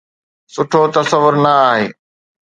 سٺو تصور نه آهي